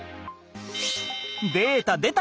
データでた！